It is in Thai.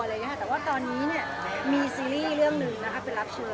แต่ว่าตอนนี้มีซีรีส์เรื่องหนึ่งเป็นรับเชิญ